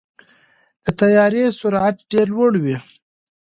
د طیارې سرعت ډېر لوړ وي.